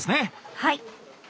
はい。